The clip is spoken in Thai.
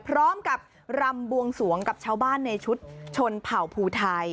พร้อมกับรำบวงสวงกับชาวบ้านในชุดชนเผ่าภูไทย